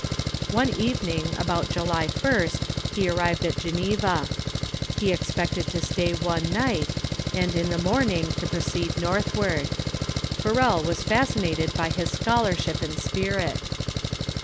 One evening, about July 1st, he arrived at Geneva. He expected to stay one night, and in the morning to proceed northward. Farel was fasci nated by his scholarship and spirit.